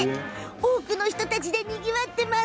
多くの人たちでにぎわっています！